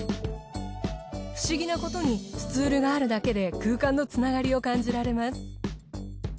不思議なことにスツールがあるだけで空間のつながりを感じられます。